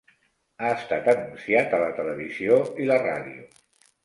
Ha estat anunciat a la televisió i la ràdio.